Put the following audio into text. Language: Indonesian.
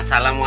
jalan dulu ya